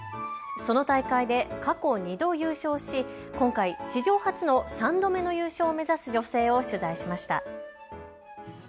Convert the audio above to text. その大会で過去２度、優勝し今回、史上初の３度目の優勝を目指す女性を取材しました。